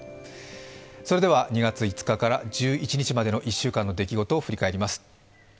２月５日から１１日までの１週間の出来事を振り返ります。